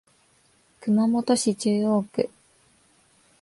熊本市中央区